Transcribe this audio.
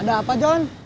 ada apa john